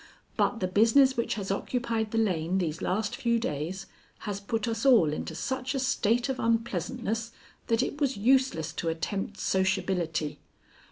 But the business which has occupied the lane these last few days has put us all into such a state of unpleasantness that it was useless to attempt sociability."